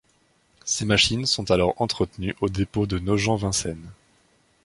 Ces machines sont alors entretenues au dépôt de Nogent-Vincennes.